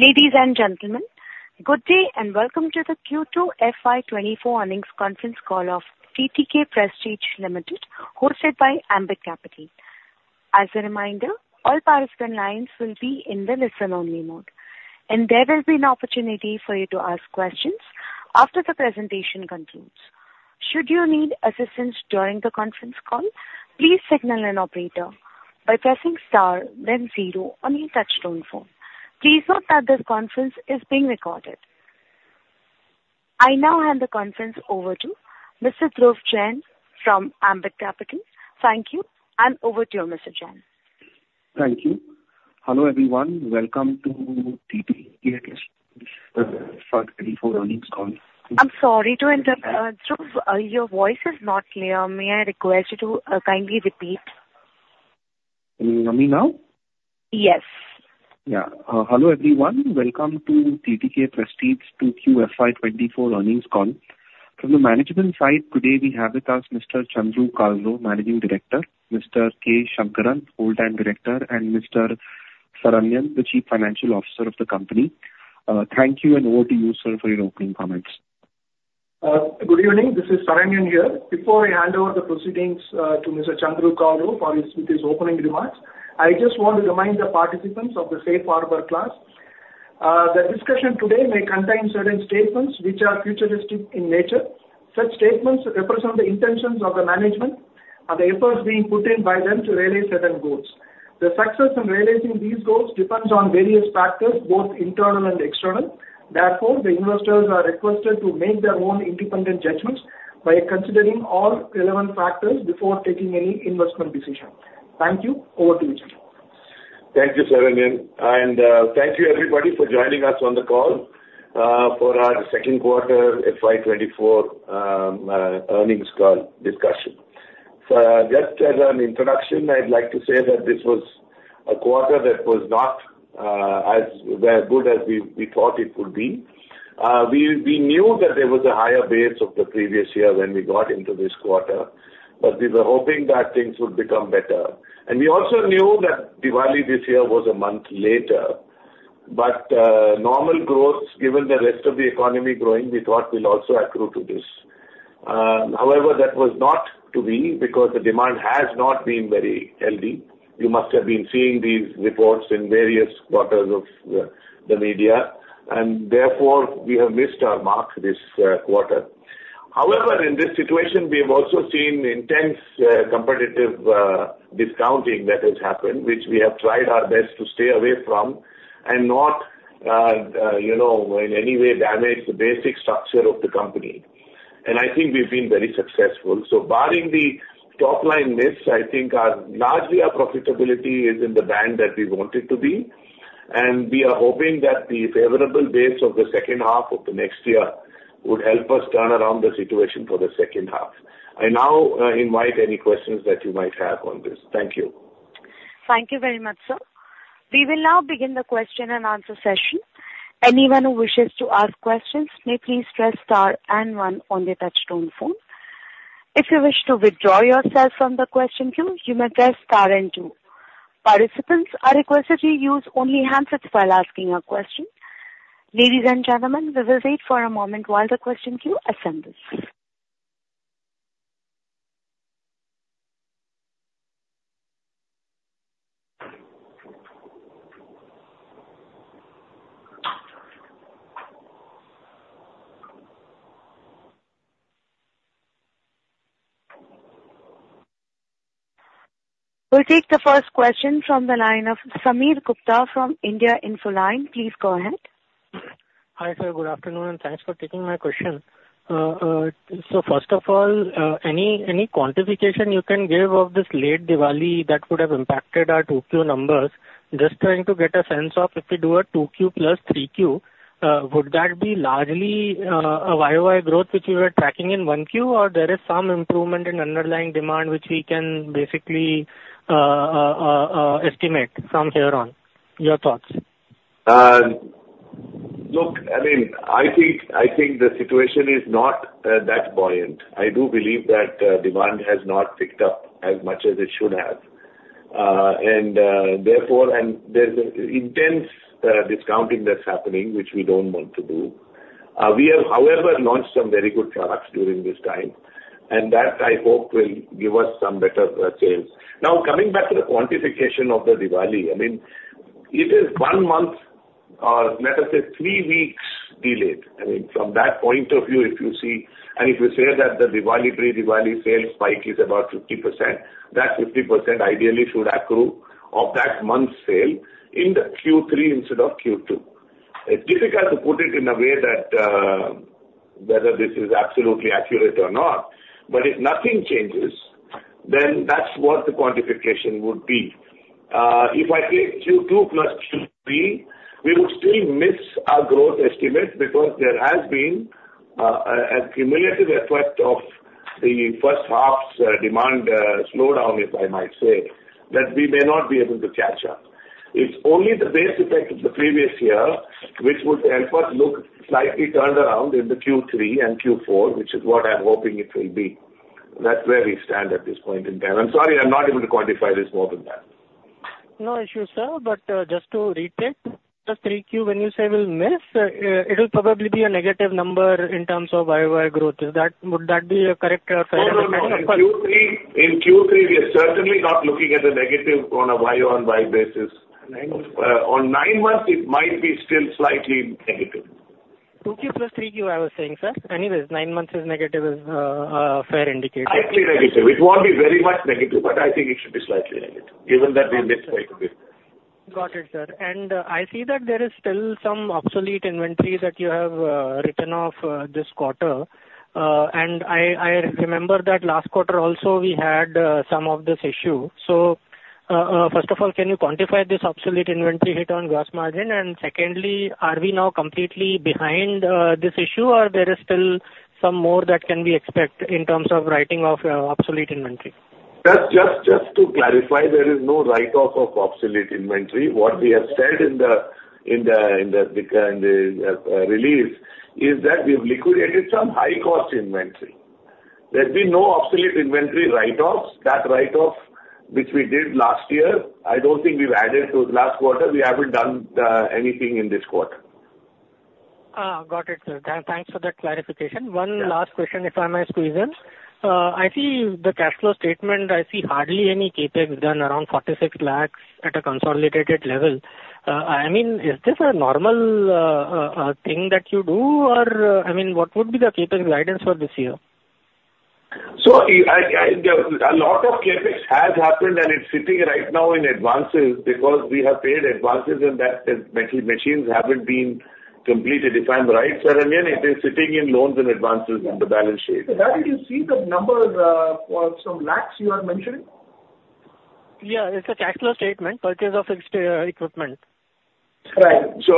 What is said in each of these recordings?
Ladies and gentlemen, good day and welcome to the Q2 FY 2024 Earnings Conference Call of TTK Prestige Limited, hosted by Ambit Capital. As a reminder, all participant lines will be in the listen-only mode, and there will be an opportunity for you to ask questions after the presentation concludes. Should you need assistance during the conference call, please signal an operator by pressing star, then zero on your touch-tone phone. Please note that this conference is being recorded. I now hand the conference over to Mr. Dhruv Jain from Ambit Capital. Thank you. Over to you, Mr. Jain. Thank you. Hello everyone. Welcome to TTK Prestige earnings conference. I'm sorry to interrupt, Dhruv. Your voice is not clear. May I request you to kindly repeat? Can you hear me now? Yes. Yeah. Hello everyone. Welcome to TTK Prestige Q2 FY 2024 Earnings Call. From the management side, today we have with us Mr. Chandru Kalro, Managing Director, Mr. K. Shankaran, Whole Time Director, and Mr. Saranyan, the Chief Financial Officer of the company. Thank you, and over to you, sir, for your opening comments. Good evening. This is Saranyan here. Before I hand over the proceedings to Mr. Chandru Kalro for his opening remarks, I just want to remind the participants of the safe harbor clause that discussion today may contain certain statements which are futuristic in nature. Such statements represent the intentions of the management and the efforts being put in by them to realize certain goals. The success in realizing these goals depends on various factors, both internal and external. Therefore, the investors are requested to make their own independent judgments by considering all relevant factors before taking any investment decision. Thank you. Over to you, Chandru. Thank you, Saranyan. And thank you, everybody, for joining us on the call for our second quarter FY 2024 earnings call discussion. Just as an introduction, I'd like to say that this was a quarter that was not as good as we thought it would be. We knew that there was a higher base of the previous year when we got into this quarter, but we were hoping that things would become better. And we also knew that Diwali this year was a month later, but normal growth, given the rest of the economy growing, we thought will also accrue to this. However, that was not to be because the demand has not been very healthy. You must have been seeing these reports in various quarters of the media, and therefore we have missed our mark this quarter. However, in this situation, we have also seen intense competitive discounting that has happened, which we have tried our best to stay away from and not in any way damage the basic structure of the company. And I think we've been very successful. So barring the top line miss, I think largely our profitability is in the band that we want it to be. And we are hoping that the favorable base of the second half of the next year would help us turn around the situation for the second half. I now invite any questions that you might have on this. Thank you. Thank you very much, sir. We will now begin the question and answer session. Anyone who wishes to ask questions may please press star and one on the touch-tone phone. If you wish to withdraw yourself from the question queue, you may press star and two. Participants are requested to use only handsets while asking a question. Ladies and gentlemen, we will wait for a moment while the question queue assembles. We'll take the first question from the line of Sameer Gupta from India Infoline. Please go ahead. Hi sir, good afternoon, and thanks for taking my question. So first of all, any quantification you can give of this late Diwali that would have impacted our Q2 numbers? Just trying to get a sense of if we do a Q2 plus Q3, would that be largely a YoY growth which we were tracking in 1Q, or there is some improvement in underlying demand which we can basically estimate from here on? Your thoughts. Look, I mean, I think the situation is not that buoyant. I do believe that demand has not picked up as much as it should have, and therefore, there's intense discounting that's happening, which we don't want to do. We have, however, launched some very good products during this time, and that I hope will give us some better sales. Now, coming back to the quantification of the Diwali, I mean, it is one month, or let us say three weeks delayed. I mean, from that point of view, if you see, and if you say that the Diwali, pre-Diwali sales spike is about 50%, that 50% ideally should accrue of that month's sale in the Q3 instead of Q2. It's difficult to put it in a way that whether this is absolutely accurate or not, but if nothing changes, then that's what the quantification would be. If I take Q2 plus Q3, we would still miss our growth estimate because there has been a cumulative effect of the first half's demand slowdown, if I might say, that we may not be able to catch up. It's only the base effect of the previous year, which would help us look slightly turned around in the Q3 and Q4, which is what I'm hoping it will be. That's where we stand at this point in time. I'm sorry I'm not able to quantify this more than that. No issue, sir. But just to recap, the Q3, when you say we'll miss, it'll probably be a negative number in terms of YoY growth. Would that be a correct or fair estimate? No, no, no. In Q3, we are certainly not looking at a negative on a YoY basis. On nine months, it might be still slightly negative. Q2 plus Q3, you were saying, sir? Anyways, nine months is negative is a fair indicator. Slightly negative. It won't be very much negative, but I think it should be slightly negative, given that we missed quite a bit. Got it, sir. And I see that there is still some obsolete inventory that you have written off this quarter. And I remember that last quarter also we had some of this issue. So first of all, can you quantify this obsolete inventory hit on gross margin? And secondly, are we now completely behind this issue, or there is still some more that can be expected in terms of writing off obsolete inventory? Just to clarify, there is no write-off of obsolete inventory. What we have said in the release is that we have liquidated some high-cost inventory. There's been no obsolete inventory write-offs. That write-off which we did last year, I don't think we've added to last quarter. We haven't done anything in this quarter. Got it, sir. Thanks for the clarification. One last question, if I may squeeze in. I see the cash flow statement, I see hardly any CapEx done around 46 lakh at a consolidated level. I mean, is this a normal thing that you do, or I mean, what would be the CapEx guidance for this year? So a lot of CapEx has happened, and it's sitting right now in advances because we have paid advances, and that machines haven't been completed. If I'm right, Saranyan, it is sitting in loans and advances in the balance sheet. Sir, how do you see the number for some lakhs you are mentioning? Yeah. It's a cash flow statement, purchase of equipment. Right. So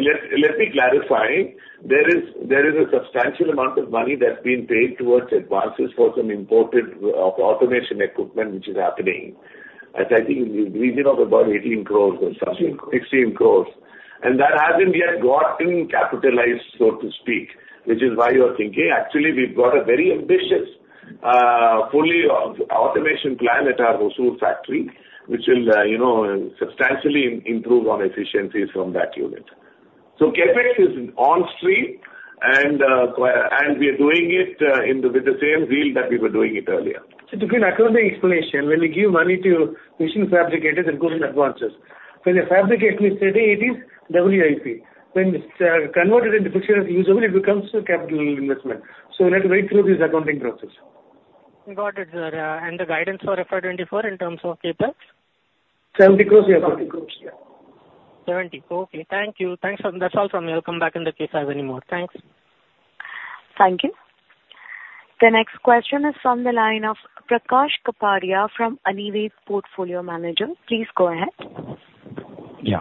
let me clarify. There is a substantial amount of money that's been paid towards advances for some imported automation equipment which is happening. I think in the region of about 18 crore or something, 16 crore. And that hasn't yet gotten capitalized, so to speak, which is why you're thinking, actually, we've got a very ambitious full automation plan at our Hosur factory, which will substantially improve on efficiencies from that unit. So CapEx is on stream, and we are doing it with the same zeal that we were doing it earlier. To give an accounting explanation, when we give money to machine fabricators and put in advances, when they fabricate with 30-80 days WIP, when it's converted into fixed and usable, it becomes a capital investment. So we have to wait through this accounting process. Got it, sir. And the guidance for FY 2024 in terms of CapEx? 70 crore, yeah. 70 crore, yeah. INR 70 crore. Okay. Thank you. That's all from me. I'll come back in the Q&A any more. Thanks. Thank you. The next question is from the line of Prakash Kapadia from Anived Portfolio Managers. Please go ahead. Yeah.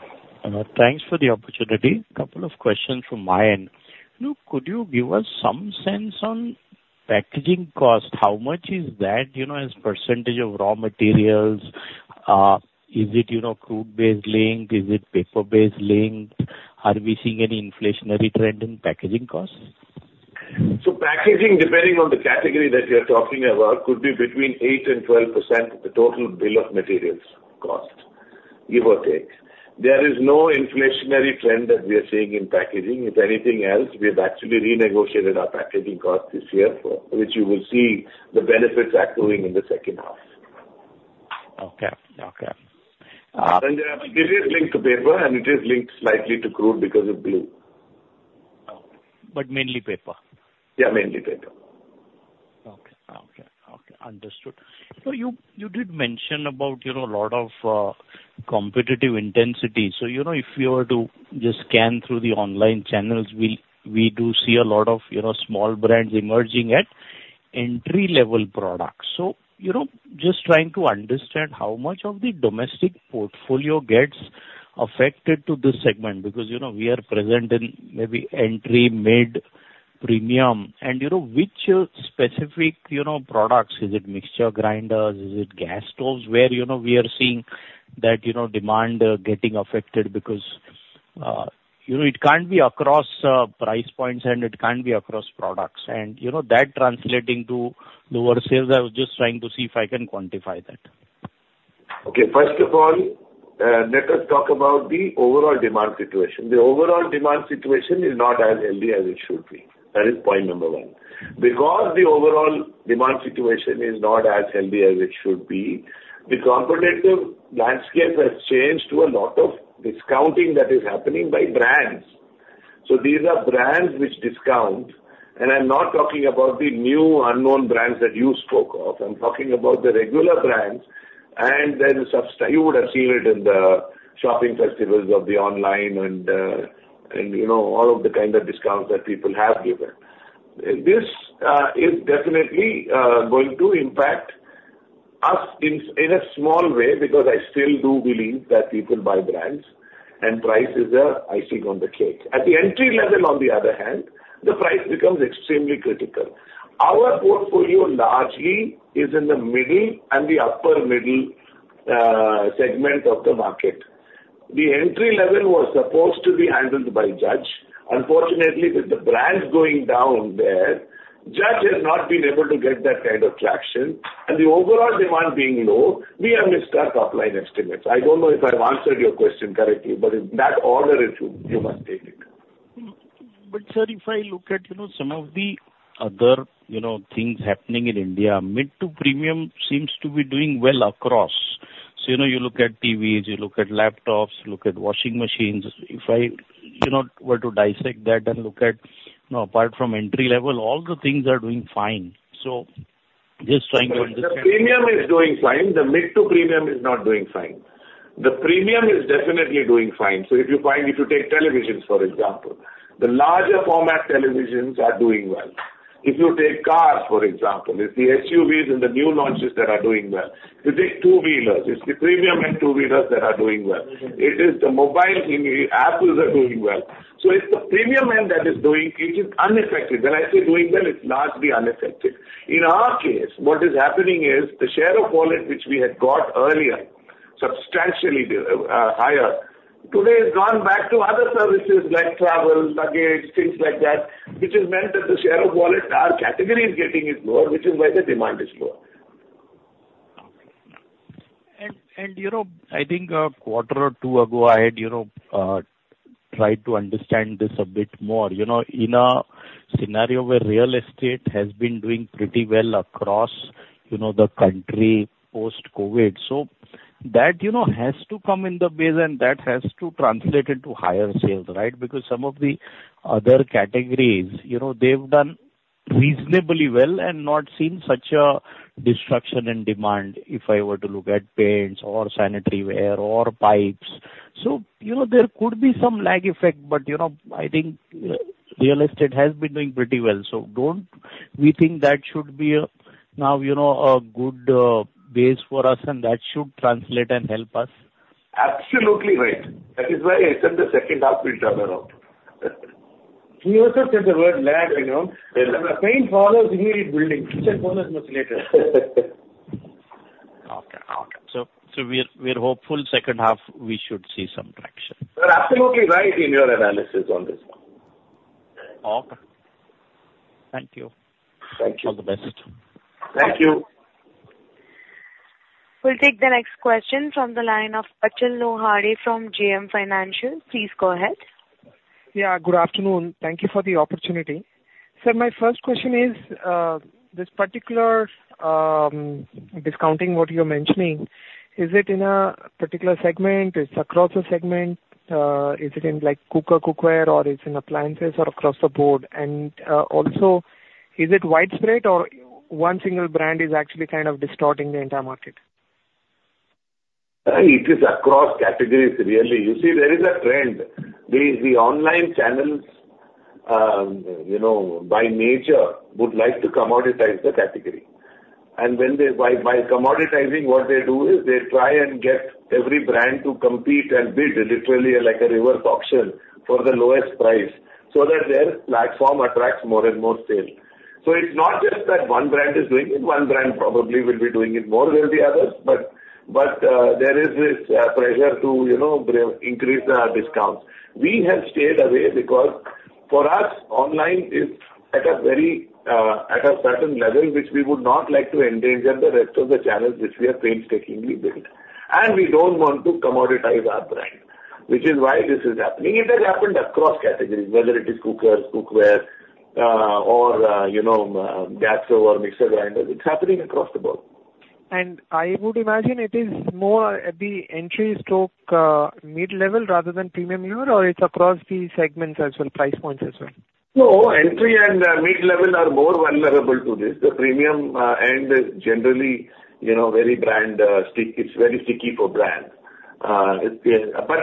Thanks for the opportunity. Couple of questions from my end. Look, could you give us some sense on packaging cost? How much is that as percentage of raw materials? Is it crude-based link? Is it paper-based link? Are we seeing any inflationary trend in packaging costs? So packaging, depending on the category that you're talking about, could be between 8% and 12% of the total bill of materials cost, give or take. There is no inflationary trend that we are seeing in packaging. If anything else, we have actually renegotiated our packaging costs this year, which you will see the benefits accruing in the second half. Okay. Okay. It is linked to paper, and it is linked slightly to crude because of glue. But mainly paper? Yeah, mainly paper. Okay. Okay. Okay. Understood. So you did mention about a lot of competitive intensity. So if you were to just scan through the online channels, we do see a lot of small brands emerging at entry-level products. So just trying to understand how much of the domestic portfolio gets affected to this segment because we are present in maybe entry, mid, premium. And which specific products? Is it mixer grinders? Is it gas stoves where we are seeing that demand getting affected? Because it can't be across price points, and it can't be across products. And that translating to lower sales, I was just trying to see if I can quantify that. Okay. First of all, let us talk about the overall demand situation. The overall demand situation is not as healthy as it should be. That is point number one. Because the overall demand situation is not as healthy as it should be, the competitive landscape has changed to a lot of discounting that is happening by brands. So these are brands which discount. And I'm not talking about the new unknown brands that you spoke of. I'm talking about the regular brands. And you would have seen it in the shopping festivals of the online and all of the kinds of discounts that people have given. This is definitely going to impact us in a small way because I still do believe that people buy brands, and price is the icing on the cake. At the entry level, on the other hand, the price becomes extremely critical. Our portfolio largely is in the middle and the upper middle segment of the market. The entry level was supposed to be handled by Judge. Unfortunately, with the brands going down there, Judge has not been able to get that kind of traction. And the overall demand being low, we have missed our top-line estimates. I don't know if I've answered your question correctly, but in that order, you must take it. But, sir, if I look at some of the other things happening in India, mid to premium seems to be doing well across. So you look at TVs, you look at laptops, you look at washing machines. If I were to dissect that and look at, apart from entry level, all the things are doing fine. So just trying to understand. The premium is doing fine. The mid to premium is not doing fine. The premium is definitely doing fine. So if you take televisions, for example, the larger format televisions are doing well. If you take cars, for example, it's the SUVs and the new launches that are doing well. If you take two-wheelers, it's the premium and two-wheelers that are doing well. It is the mobile thingy. Apples are doing well. So it's the premium end that is doing it is unaffected. When I say doing well, it's largely unaffected. In our case, what is happening is the share of wallet which we had got earlier, substantially higher, today has gone back to other services like travel, luggage, things like that, which has meant that the share of wallet, our category is getting lower, which is why the demand is lower. I think a quarter or two ago, I had tried to understand this a bit more. In a scenario where real estate has been doing pretty well across the country post-COVID, so that has to come in the base, and that has to translate into higher sales, right? Because some of the other categories, they've done reasonably well and not seen such a destruction in demand, if I were to look at paints or sanitary wear or pipes. There could be some lag effect, but I think real estate has been doing pretty well. We think that should be now a good base for us, and that should translate and help us. Absolutely right. That is why I said the second half will turn around. He also said the word land premium. The paint follows immediate building. He said follows much later. Okay. Okay. So we're hopeful second half we should see some traction. You're absolutely right in your analysis on this one. Okay. Thank you. Thank you. All the best. Thank you. We'll take the next question from the line of Achal Lohade from JM Financial. Please go ahead. Yeah. Good afternoon. Thank you for the opportunity. Sir, my first question is, this particular discounting, what you're mentioning, is it in a particular segment? It's across a segment? Is it in cooker, cookware, or it's in appliances or across the board? And also, is it widespread, or one single brand is actually kind of distorting the entire market? It is across categories, really. You see, there is a trend. The online channels, by nature, would like to commoditize the category. And by commoditizing, what they do is they try and get every brand to compete and bid, literally like a reverse auction, for the lowest price so that their platform attracts more and more sales. So it's not just that one brand is doing it. One brand probably will be doing it more than the others, but there is this pressure to increase the discounts. We have stayed away because, for us, online is at a certain level which we would not like to endanger the rest of the channels which we have painstakingly built. And we don't want to commoditize our brand, which is why this is happening. It has happened across categories, whether it is cooker cookware, or gas stove or mixer grinders. It's happening across the board. I would imagine it is more at the entry to mid-level rather than premium, or it's across the segments as well, price points as well? No, entry and mid-level are more vulnerable to this. The premium end is generally very brand sticky. It's very sticky for brands. But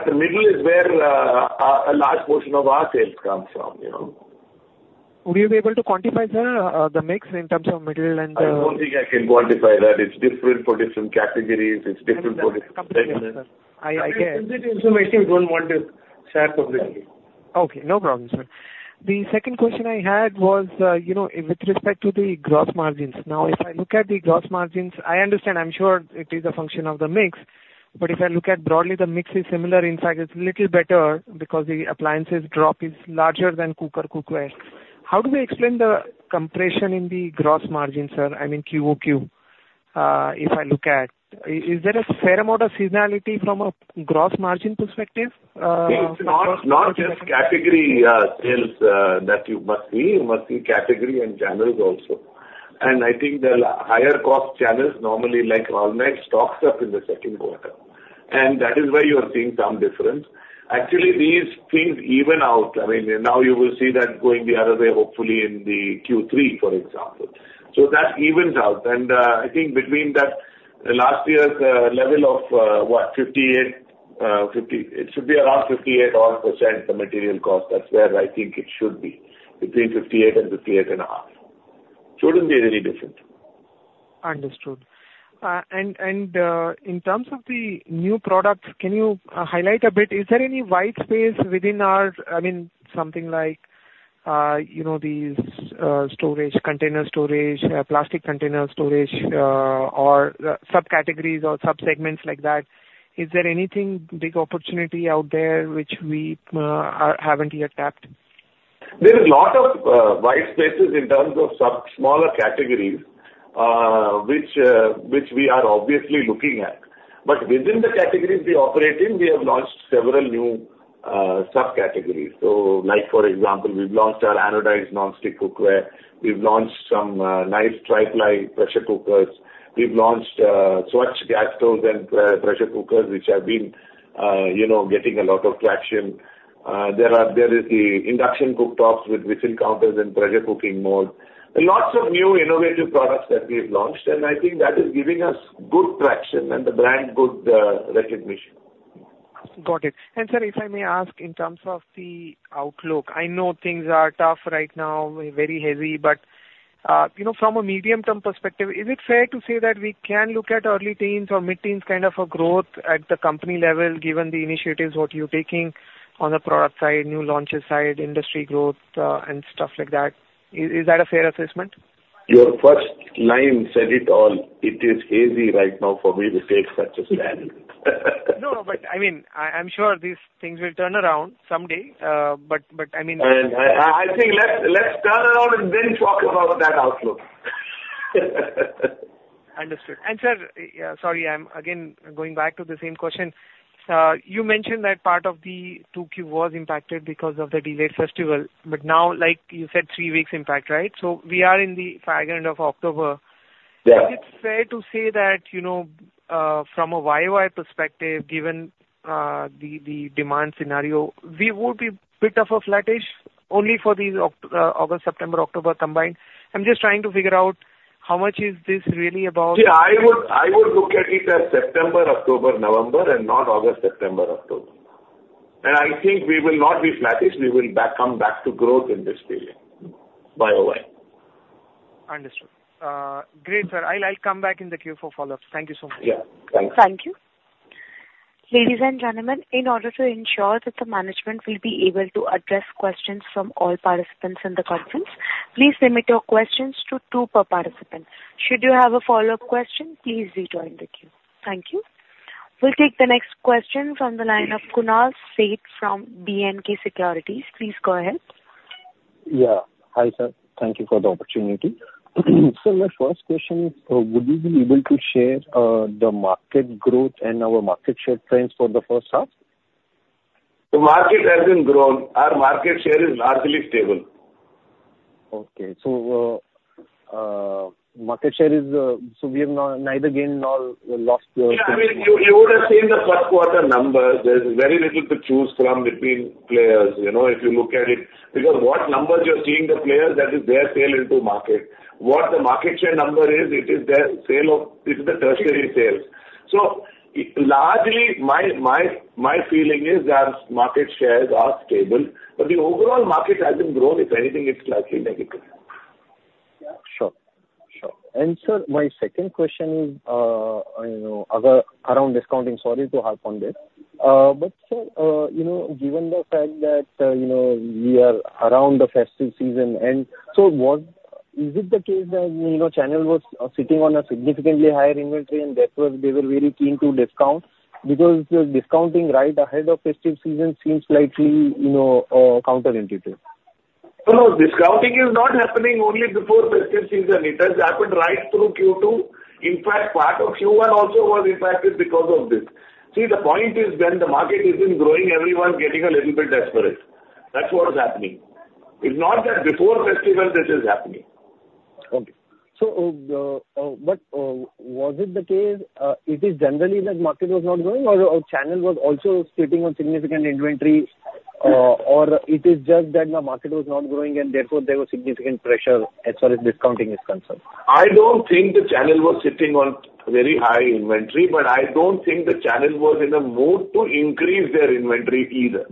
the middle is where a large portion of our sales comes from. Would you be able to quantify, sir, the mix in terms of middle and the? I don't think I can quantify that. It's different for different categories. It's different for different segments. I get it. I have complete information. I don't want to share completely. Okay. No problem, sir. The second question I had was with respect to the gross margins. Now, if I look at the gross margins, I understand. I'm sure it is a function of the mix. But if I look at broadly, the mix is similar. In fact, it's a little better because the appliances drop is larger than cooker cookware. How do we explain the compression in the gross margin, sir? I mean, QoQ, if I look at. Is there a fair amount of seasonality from a gross margin perspective? It's not just category sales that you must see. You must see category and channels also. And I think the higher-cost channels, normally like online stocks up in the second quarter. And that is where you're seeing some difference. Actually, these things even out. I mean, now you will see that going the other way, hopefully in the Q3, for example. So that evens out. And I think between that last year's level of, what, 58%, it should be around 58% odd. The material cost. That's where I think it should be, between 58% and 58.5%. Shouldn't be any different. Understood. And in terms of the new products, can you highlight a bit? Is there any white space within our, I mean, something like these storage, container storage, plastic container storage, or subcategories or subsegments like that? Is there any big opportunity out there which we haven't yet tapped? There is a lot of white spaces in terms of smaller categories which we are obviously looking at. But within the categories we operate in, we have launched several new subcategories. So for example, we've launched our anodized non-stick cookware. We've launched some nice Tri-Ply pressure cookers. We've launched Svachh gas stoves and pressure cookers, which have been getting a lot of traction. There is the induction cooktops with whistle counters and pressure cooking mode. Lots of new innovative products that we've launched, and I think that is giving us good traction and the brand good recognition. Got it. And, sir, if I may ask in terms of the outlook, I know things are tough right now, very heavy, but from a medium-term perspective, is it fair to say that we can look at early teens or mid-teens kind of a growth at the company level, given the initiatives, what you're taking on the product side, new launches side, industry growth, and stuff like that? Is that a fair assessment? Your first line said it all. It is hazy right now for me to take such a stand. No, but I mean, I'm sure these things will turn around someday. But I mean. I think let's turn around and then talk about that outlook. Understood. And sir, sorry, I'm again going back to the same question. You mentioned that part of the 2Q was impacted because of the delayed festival, but now, like you said, three weeks impact, right? So we are in the far end of October. Is it fair to say that from a YoY perspective, given the demand scenario, we would be a bit of a flattish only for the August, September, October combined? I'm just trying to figure out how much is this really about. Yeah. I would look at it as September, October, November, and not August, September, October. And I think we will not be flattish. We will come back to growth in this period, YoY. Understood. Great, sir. I'll come back in the Q for follow-ups. Thank you so much. Yeah. Thanks. Thank you. Ladies and gentlemen, in order to ensure that the management will be able to address questions from all participants in the conference, please limit your questions to two per participant. Should you have a follow-up question, please rejoin the queue. Thank you. We'll take the next question from the line of Kunal Sheth from B&K Securities. Please go ahead. Yeah. Hi, sir. Thank you for the opportunity. Sir, my first question is, would you be able to share the market growth and our market share trends for the first half? The market hasn't grown. Our market share is largely stable. Okay. So market share is so we have neither gained nor lost. Yeah. I mean, you would have seen the first quarter numbers. There's very little to choose from between players if you look at it. Because what numbers you're seeing the players, that is their sale into market. What the market share number is, it is their sale of. It's the tertiary sales. So largely, my feeling is that market shares are stable. But the overall market hasn't grown. If anything, it's slightly negative. Sure. Sure. And sir, my second question is around discounting. Sorry to harp on this. But sir, given the fact that we are around the festive season, and so is it the case that channel was sitting on a significantly higher inventory, and therefore they were very keen to discount? Because discounting right ahead of festive season seems slightly counterintuitive. No, discounting is not happening only before festive season. It has happened right through Q2. In fact, part of Q1 also was impacted because of this. See, the point is when the market isn't growing, everyone's getting a little bit desperate. That's what's happening. It's not that before festival, this is happening. Okay. So was it the case it is generally that market was not growing, or channel was also sitting on significant inventory, or it is just that the market was not growing, and therefore there was significant pressure as far as discounting is concerned? I don't think the channel was sitting on very high inventory, but I don't think the channel was in a mood to increase their inventory either.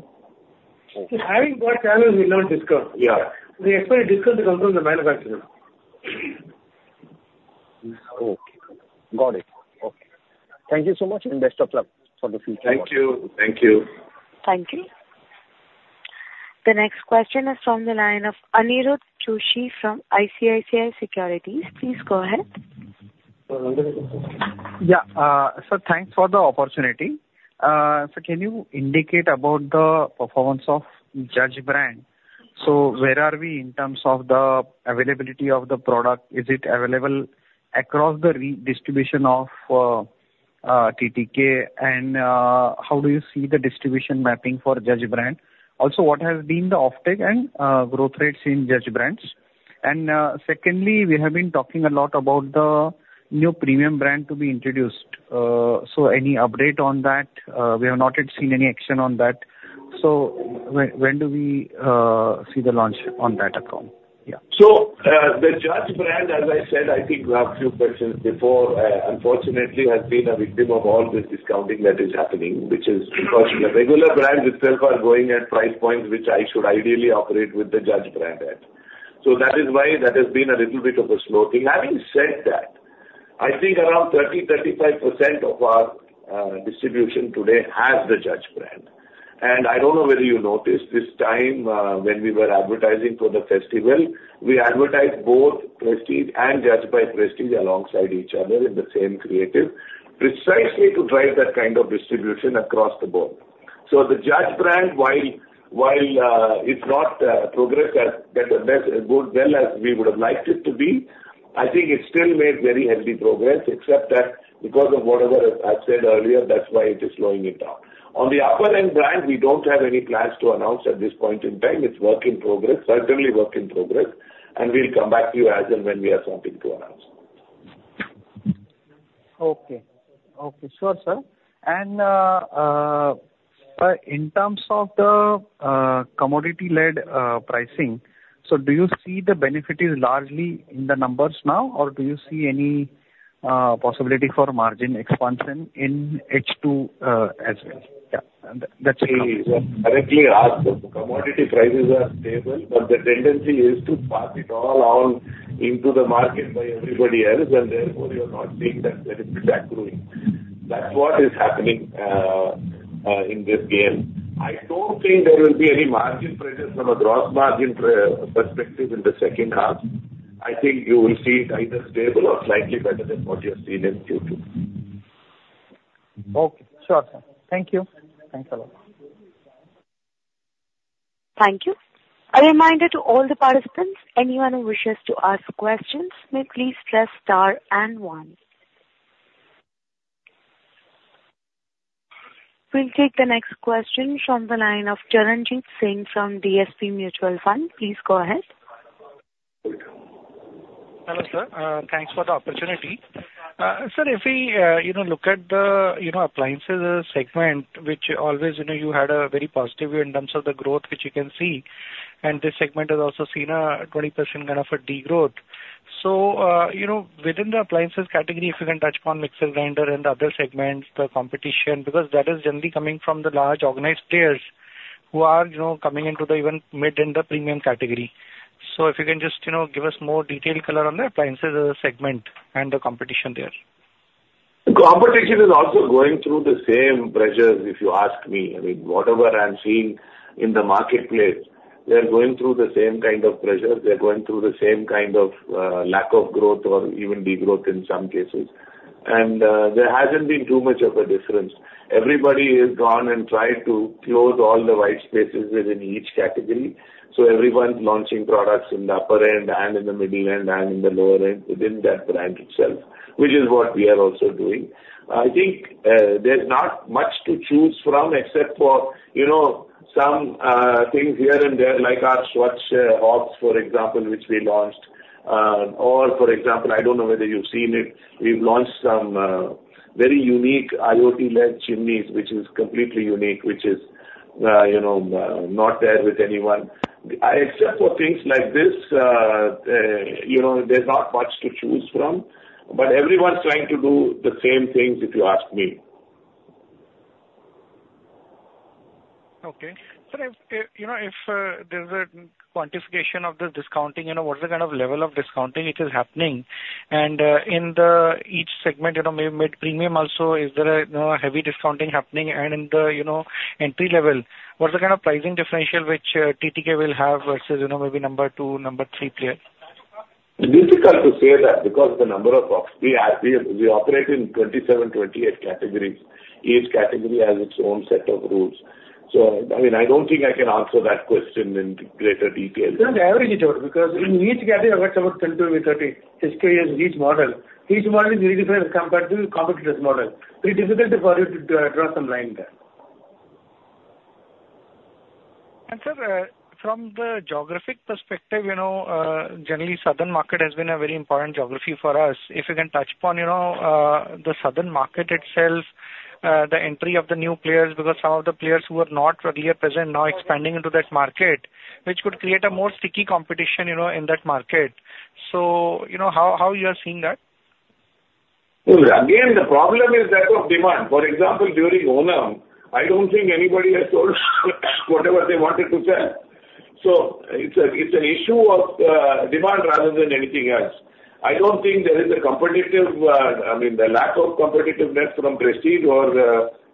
Having bought channels, we'll not discount. Yeah. We expect to discount the consumer manufacturer. Got it. Okay. Thank you so much, and best of luck for the future. Thank you. Thank you. Thank you. The next question is from the line of Aniruddha Joshi from ICICI Securities. Please go ahead. Yeah. Sir, thanks for the opportunity. Sir, can you indicate about the performance of the Judge brand? So where are we in terms of the availability of the product? Is it available across the redistribution of TTK, and how do you see the distribution mapping for the Judge brand? Also, what has been the offtake and growth rates in Judge brand's? And secondly, we have been talking a lot about the new premium brand to be introduced. So any update on that? We have not yet seen any action on that. So when do we see the launch on that account? Yeah. So the Judge brand, as I said, I think we have a few questions before. Unfortunately, has been a victim of all the discounting that is happening, which is because the regular brands themselves are going at price points which I should ideally operate with the Judge brand at. So that is why that has been a little bit of a slow thing. Having said that, I think around 30%-35% of our distribution today has the Judge brand. And I don't know whether you noticed this time when we were advertising for the festival, we advertised both Prestige and Judge by Prestige alongside each other in the same creative, precisely to drive that kind of distribution across the board. So the Judge brand, while it's not progressed as well as we would have liked it to be, I think it still made very heavy progress, except that because of whatever I've said earlier, that's why it is slowing it down. On the upper-end brand, we don't have any plans to announce at this point in time. It's work in progress, certainly work in progress. And we'll come back to you as and when we have something to announce. Okay. Okay. Sure, sir. And sir, in terms of the commodity-led pricing, so do you see the benefit is largely in the numbers now, or do you see any possibility for margin expansion in H2 as well? Yeah. That's a question. I have a clear answer. Commodity prices are stable, but the tendency is to pass it all on to the market by everybody else, and therefore you're not seeing that there is a big growth. That's what is happening in this game. I don't think there will be any margin pressures from a gross margin perspective in the second half. I think you will see it either stable or slightly better than what you've seen in Q2. Okay. Sure, sir. Thank you. Thanks a lot. Thank you. A reminder to all the participants, anyone who wishes to ask questions may please press star and one. We'll take the next question from the line of Charanjit Singh from DSP Mutual Fund. Please go ahead. Hello, sir. Thanks for the opportunity. Sir, if we look at the appliances segment, which always you had a very positive view in terms of the growth, which you can see, and this segment has also seen a 20% kind of a degrowth, so within the appliances category, if you can touch upon mixer grinder and other segments, the competition, because that is generally coming from the large organized players who are coming into the even mid-end of premium category, so if you can just give us more detailed color on the appliances segment and the competition there. Competition is also going through the same pressures if you ask me. I mean, whatever I'm seeing in the marketplace, they're going through the same kind of pressures. They're going through the same kind of lack of growth or even degrowth in some cases. And there hasn't been too much of a difference. Everybody has gone and tried to close all the white spaces within each category. So everyone's launching products in the upper end and in the middle end and in the lower end within that brand itself, which is what we are also doing. I think there's not much to choose from except for some things here and there, like our Svachh hobs, for example, which we launched. Or, for example, I don't know whether you've seen it. We've launched some very unique IoT-led chimneys, which is completely unique, which is not there with anyone. Except for things like this, there's not much to choose from, but everyone's trying to do the same things if you ask me. Okay. Sir, if there's a quantification of the discounting, what's the kind of level of discounting which is happening? And in each segment, maybe mid-premium also, is there a heavy discounting happening? And in the entry level, what's the kind of pricing differential which TTK will have versus maybe number two, number three players? Difficult to say that because the number of SKUs we operate in 27, 28 categories. Each category has its own set of rules. So, I mean, I don't think I can answer that question in greater detail. Just average it out because in each category, what's our 10-30, models and each model. Each model is very different compared to the competitor's model. Very difficult for you to draw some line there. And sir, from the geographic perspective, generally, Southern market has been a very important geography for us. If you can touch upon the Southern market itself, the entry of the new players, because some of the players who are not really present now expanding into that market, which could create a more stiff competition in that market. So how are you seeing that? Again, the problem is lack of demand. For example, during Onam, I don't think anybody has sold whatever they wanted to sell. So it's an issue of demand rather than anything else. I don't think there is a competitive I mean, the lack of competitiveness from Prestige or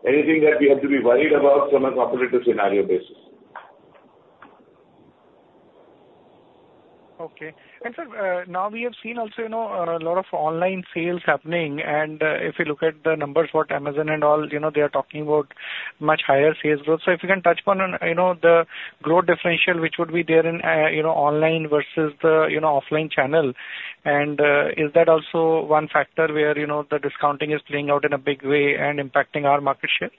anything that we have to be worried about from a competitive scenario basis. Okay. And sir, now we have seen also a lot of online sales happening. And if you look at the numbers, what Amazon and all, they are talking about much higher sales growth. So if you can touch upon the growth differential, which would be there in online versus the offline channel, and is that also one factor where the discounting is playing out in a big way and impacting our market share?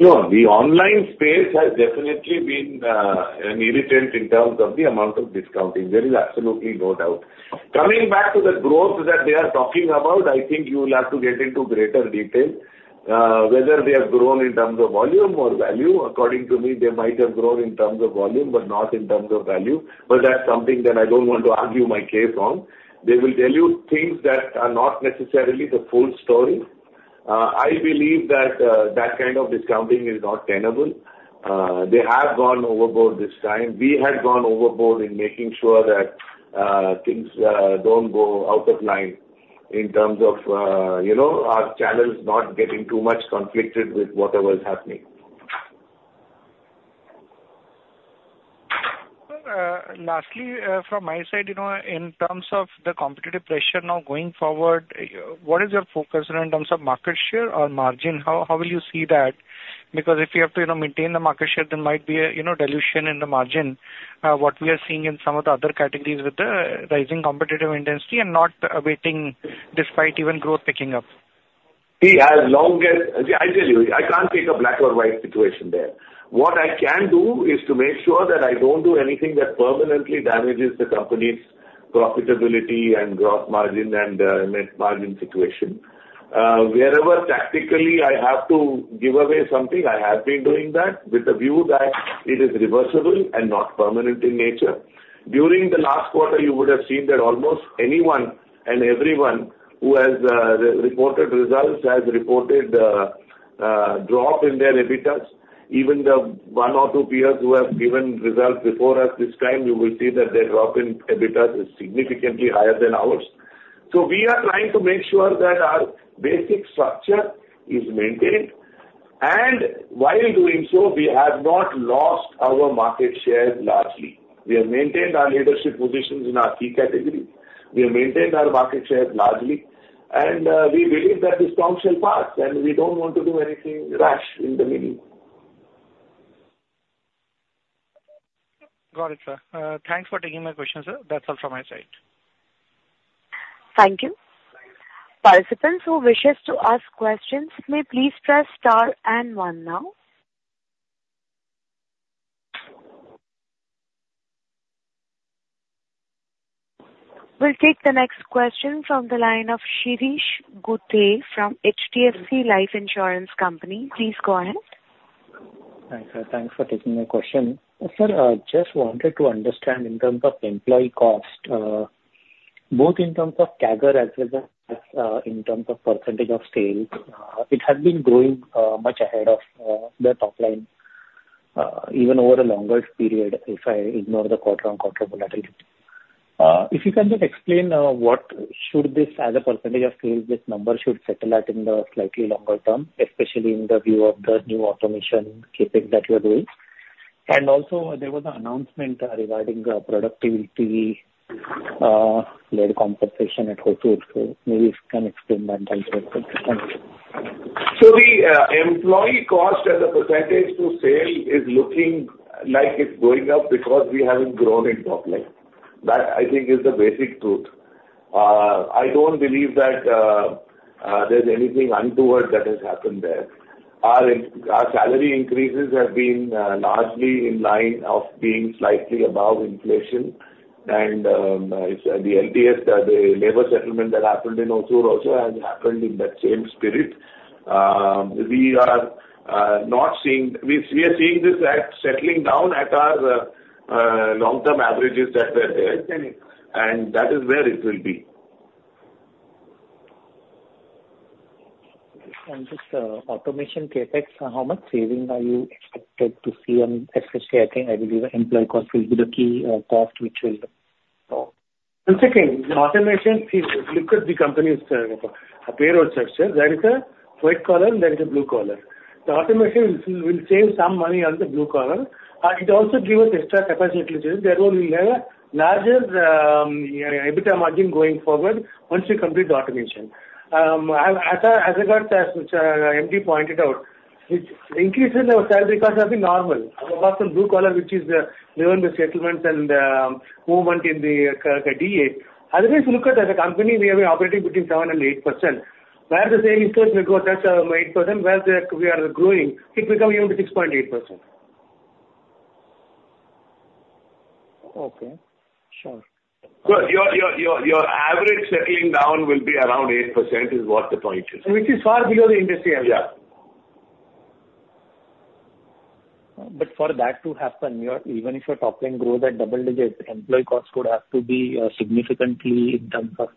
Sure. The online space has definitely been an irritant in terms of the amount of discounting. There is absolutely no doubt. Coming back to the growth that they are talking about, I think you will have to get into greater detail whether they have grown in terms of volume or value. According to me, they might have grown in terms of volume but not in terms of value. But that's something that I don't want to argue my case on. They will tell you things that are not necessarily the full story. I believe that that kind of discounting is not tenable. They have gone overboard this time. We have gone overboard in making sure that things don't go out of line in terms of our channels not getting too much conflicted with whatever is happening. Lastly, from my side, in terms of the competitive pressure now going forward, what is your focus in terms of market share or margin? How will you see that? Because if you have to maintain the market share, there might be a dilution in the margin, what we are seeing in some of the other categories with the rising competitive intensity and not abating despite even growth picking up. See, as long as I tell you, I can't take a black or white situation there. What I can do is to make sure that I don't do anything that permanently damages the company's profitability and gross margin and net margin situation. Wherever tactically I have to give away something, I have been doing that with the view that it is reversible and not permanent in nature. During the last quarter, you would have seen that almost anyone and everyone who has reported results has reported a drop in their EBITDAs. Even the one or two peers who have given results before us this time, you will see that their drop in EBITDAs is significantly higher than ours. So we are trying to make sure that our basic structure is maintained. And while doing so, we have not lost our market share largely. We have maintained our leadership positions in our key categories. We have maintained our market share largely, and we believe that this too shall pass, and we don't want to do anything rash in the meantime. Got it, sir. Thanks for taking my question, sir. That's all from my side. Thank you. Participants who wish to ask questions, may please press star and one now. We'll take the next question from the line of Shirish Guthe from HDFC Life Insurance Company. Please go ahead. Thanks, sir. Thanks for taking my question. Sir, I just wanted to understand in terms of employee cost, both in terms of CAGR as well as in terms of percentage of sales, it has been growing much ahead of the top line, even over a longer period if I ignore the quarter-on-quarter volatility. If you can just explain what should this as a percentage of sales, this number should settle at in the slightly longer term, especially in the view of the new automation CapEx that you are doing? And also, there was an announcement regarding productivity-led compensation at Hosur. So maybe you can explain that, I'm sorry. So the employee cost as a percentage of sales is looking like it's going up because we haven't grown in top line. That I think is the basic truth. I don't believe that there's anything untoward that has happened there. Our salary increases have been largely in line of being slightly above inflation. And the LTS, the labor settlement that happened in Hosur also has happened in that same spirit. We are seeing this settling down at our long-term averages that we are telling. And that is where it will be. Just automation CapEx, how much saving are you expected to see and especially I think I believe employee cost will be the key cost which will. One second. The automation, see, look at the company's payroll structure. There is a white collar there is a blue collar. The automation will save some money on the blue collar. It also gives us extra capacity to say that we will have a larger EBITDA margin going forward once we complete the automation. As regards, as MD pointed out, which increases our salary because of the normal. Apart from blue collar, which is the revenue settlements and movement in the DA, otherwise, look at as a company, we have been operating between 7% and 8%. Where the sale increase will go touch 8%, where we are growing, it will come even to 6.8%. Okay. Sure. Your average settling down will be around 8% is what the point is. Which is far below the industry average. Yeah. But for that to happen, even if your top line grows at double digits, employee cost would have to be significantly in terms of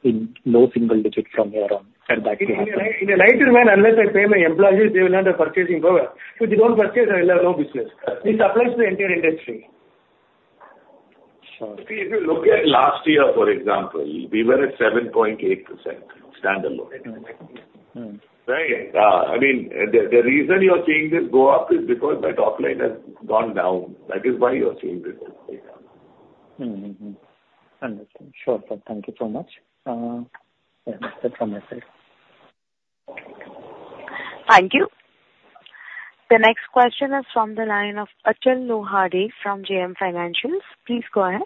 low single digit from here on. In a lighter manner, unless I pay my employees, they will have the purchasing power. If they don't purchase, I will have no business. This applies to the entire industry. If you look at last year, for example, we were at 7.8% standalone. Right? I mean, the reason you are seeing this go up is because that top line has gone down. That is why you are seeing this right now. Understood. Sure. Thank you so much. That's it from my side. Thank you. The next question is from the line of Achal Lohade from JM Financial. Please go ahead.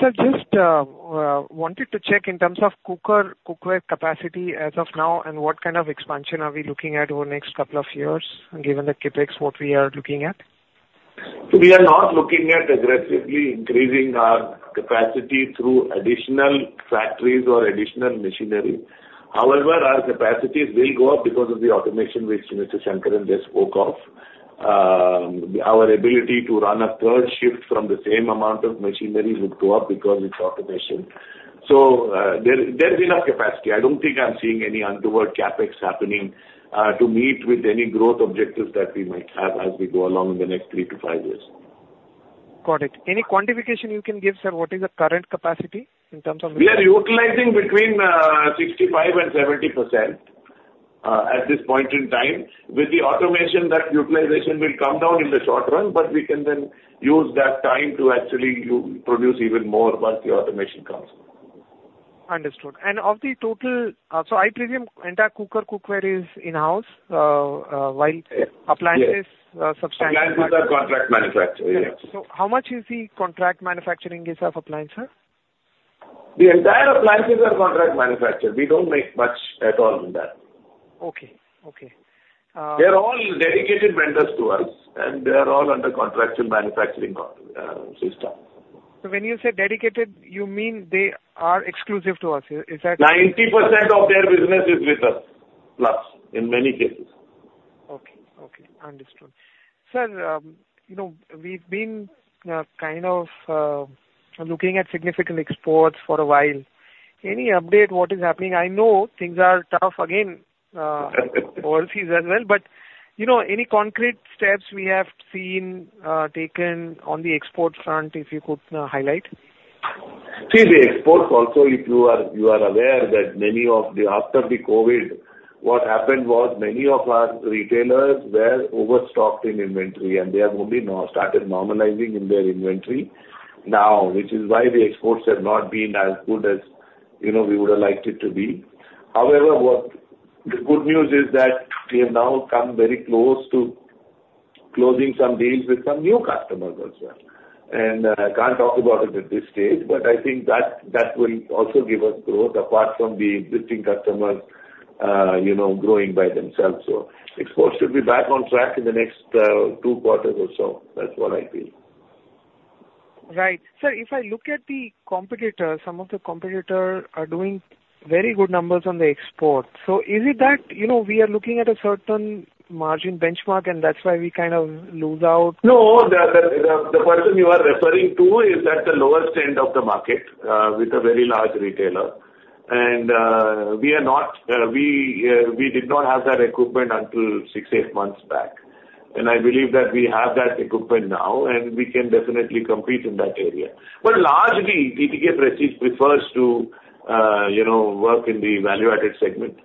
Sir, just wanted to check in terms of cooker cookware capacity as of now and what kind of expansion are we looking at over the next couple of years given the CapEx what we are looking at? We are not looking at aggressively increasing our capacity through additional factories or additional machinery. However, our capacity will go up because of the automation which Mr. Shankaran just spoke of. Our ability to run a third shift from the same amount of machinery would go up because it's automation. So there's enough capacity. I don't think I'm seeing any untoward CapEx happening to meet with any growth objectives that we might have as we go along in the next 3-5 years. Got it. Any quantification you can give, sir, what is the current capacity in terms of? We are utilizing between 65% and 70% at this point in time with the automation that utilization will come down in the short run, but we can then use that time to actually produce even more once the automation comes. Understood. And of the total, so I presume entire cookware is in-house while appliances substantially? Appliances are contract manufacturers, yes. So how much is the contract manufacturing of appliances, sir? The entire appliances are contract manufactured. We don't make much at all in that. Okay. Okay. They're all dedicated vendors to us, and they are all under contractual manufacturing system. So when you say dedicated, you mean they are exclusive to us. Is that? 90% of their business is with us plus in many cases. Okay. Okay. Understood. Sir, we've been kind of looking at significant exports for a while. Any update what is happening? I know things are tough again overseas as well, but any concrete steps we have seen taken on the export front if you could highlight? See, the exports also, if you are aware that many of the after the COVID, what happened was many of our retailers were overstocked in inventory, and they have only started normalizing in their inventory now, which is why the exports have not been as good as we would have liked it to be. However, the good news is that we have now come very close to closing some deals with some new customers as well. And I can't talk about it at this stage, but I think that will also give us growth apart from the existing customers growing by themselves. So exports should be back on track in the next two quarters or so. That's what I feel. Right. Sir, if I look at the competitors, some of the competitors are doing very good numbers on the export. So is it that we are looking at a certain margin benchmark, and that's why we kind of lose out? No. The person you are referring to is at the lowest end of the market with a very large retailer, and we did not have that equipment until six, eight months back. And I believe that we have that equipment now, and we can definitely compete in that area, but largely, TTK Prestige prefers to work in the value-added segment,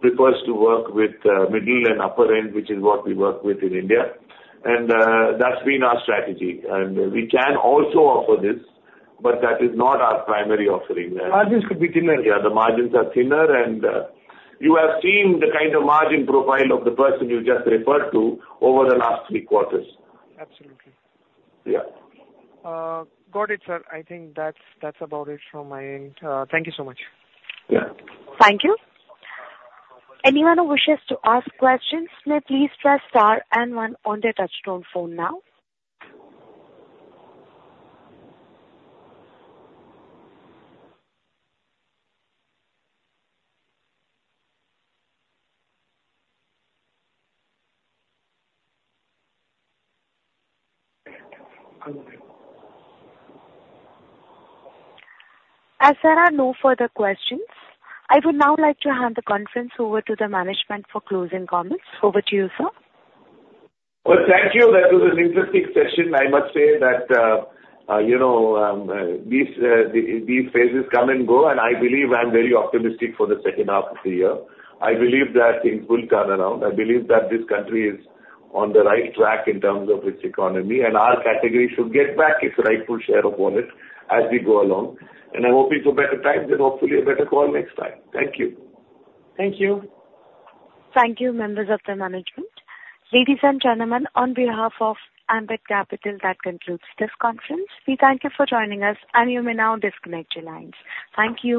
prefers to work with middle and upper end, which is what we work with in India. And that's been our strategy, and we can also offer this, but that is not our primary offering. Margins could be thinner. Yeah, the margins are thinner. And you have seen the kind of margin profile of the person you just referred to over the last three quarters. Absolutely. Yeah. Got it, sir. I think that's about it from my end. Thank you so much. Yeah. Thank you. Anyone who wishes to ask questions, may please press star and one on their touch-tone phone now. As there are no further questions, I would now like to hand the conference over to the management for closing comments. Over to you, sir. Well, thank you. That was an interesting session. I must say that these phases come and go, and I believe I'm very optimistic for the second half of the year. I believe that things will turn around. I believe that this country is on the right track in terms of its economy, and our category should get back its rightful share of wallet as we go along, and I'm hoping for better times and hopefully a better call next time. Thank you. Thank you. Thank you, members of the management. Ladies and gentlemen, on behalf of Ambit Capital, that concludes this conference. We thank you for joining us, and you may now disconnect your lines. Thank you.